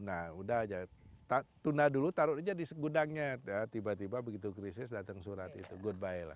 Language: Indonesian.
nah udah aja tuna dulu taruh aja di segudangnya tiba tiba begitu krisis datang surat itu goodby lah